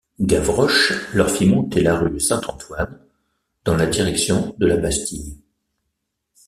Gavroche leur fit monter la rue Saint-Antoine dans la direction de la Bastille.